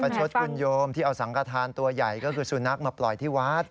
ชดคุณโยมที่เอาสังกฐานตัวใหญ่ก็คือสุนัขมาปล่อยที่วัด